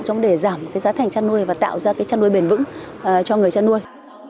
trong để giảm giá thành chăn nuôi và tạo ra chăn nuôi bền vững cho người chăn nuôi